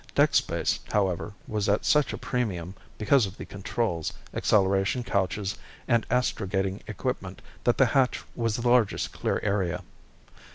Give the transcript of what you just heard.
Deck space, however, was at such a premium because of the controls, acceleration couches, and astrogating equipment that the hatch was the largest clear area.